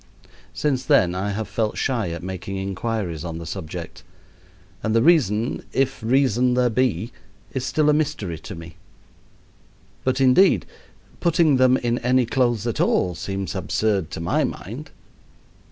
Since than I have felt shy at making inquiries on the subject, and the reason if reason there be is still a mystery to me. But indeed, putting them in any clothes at all seems absurd to my mind.